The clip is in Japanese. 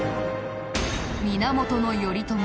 源頼朝